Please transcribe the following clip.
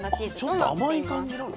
あっちょっと甘い感じなの？